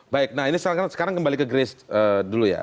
baik nah ini sekarang kembali ke grace dulu ya